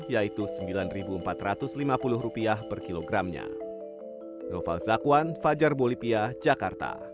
yaitu rp sembilan empat ratus lima puluh per kilogramnya